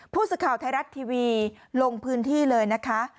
ผู้สื่อข่าวไทยรัฐทีวีลงพื้นที่เลยนะคะ